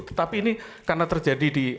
tetapi ini karena terjadi di